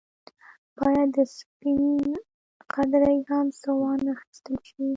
باید د سپڼ قدرې هم څه وانه اخیستل شي.